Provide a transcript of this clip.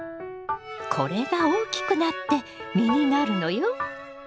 これが大きくなって実になるのよ。